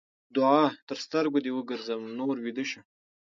دوعا؛ تر سترګو دې وګرځم؛ نور ويده شه.